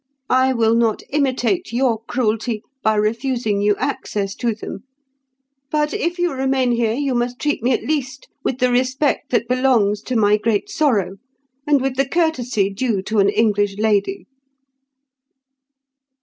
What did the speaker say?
I will not imitate your cruelty by refusing you access to them; but if you remain here, you must treat me at least with the respect that belongs to my great sorrow, and with the courtesy due to an English lady."